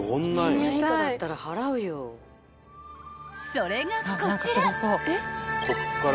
［それがこちら］